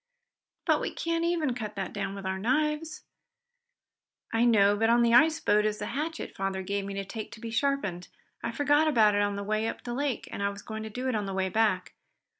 "But we can't even cut that down with our knives." "I know. But on the ice boat is that hatchet father gave me to take to be sharpened. I forgot about it on the way up the lake, and I was going to do it on the way back.